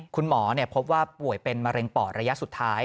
คุณหมอพบว่าป่วยเป็นมะเร็งปอดระยะสุดท้าย